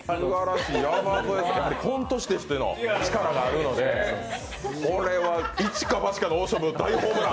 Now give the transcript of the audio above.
山添さん、コント師としての力があるのでこれは一か八かの大勝負、大ホームラン。